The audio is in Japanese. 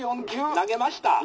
「投げました」。